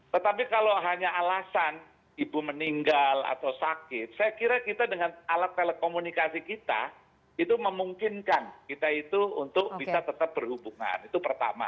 tetapi kalau hanya alasan ibu meninggal atau sakit saya kira kita dengan alat telekomunikasi kita itu memungkinkan kita itu untuk bisa tetap berhubungan itu pertama